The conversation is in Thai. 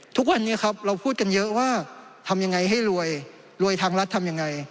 ทุกวันนี้ครับเราพูดกันเยอะว่าทำยังไงให้รวยรวยทางรัฐทำยังไง